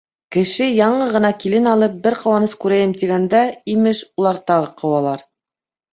Кеше, яңы ғына килен алып, бер ҡыуаныс күрәйем тигәндә, имеш, улар тағы ҡыуалар!